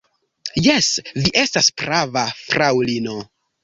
Jes, vi estas prava, fraŭlino.